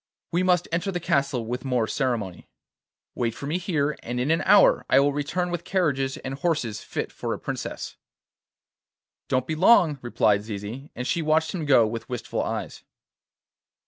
We must enter the castle with more ceremony. Wait for me here, and in an hour I will return with carriages and horses fit for a princess.' 'Don't be long,' replied Zizi, and she watched him go with wistful eyes.